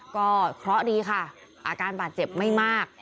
ก็เคราะห์ดีค่ะอาการบาดเจ็บไม่มาก